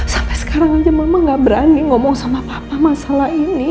sampai sekarang aja mama gak berani ngomong sama papa masalah ini